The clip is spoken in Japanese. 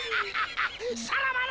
さらばだ！